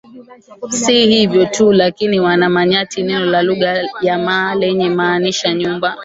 Sio hivyo tu lakini wana manyata neno la lugha ya Maa lenye kumaanisha nyumba